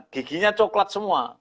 giginya coklat semua